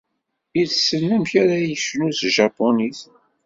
Yessen amek ara yecnu s tjapunit.